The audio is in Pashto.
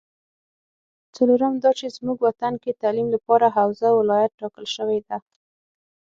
څلورم دا چې زمونږ وطن کې تعلیم لپاره حوزه ولایت ټاکل شوې ده